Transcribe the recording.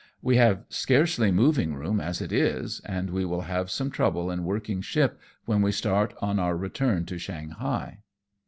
We have scarcely moving room as it is, and we will have some trouble in working ship, when we start on our return to Shanghai.